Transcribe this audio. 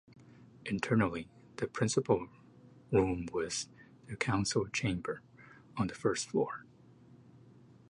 Internally the principal room was the council chamber on the first floor.